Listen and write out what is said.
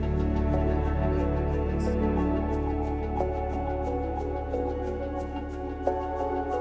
berita terkini mengenai kualitas pelayanan dan penerimaan